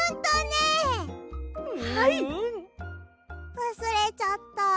わすれちゃった。